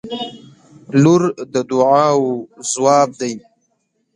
• لور د دعاوو ځواب دی.